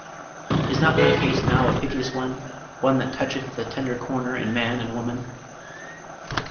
Is not my case now a piteous one, one that toucheth the tender corner in man and woman?'